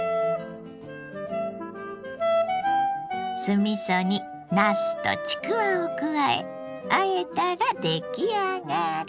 酢みそになすとちくわを加えあえたら出来上がり。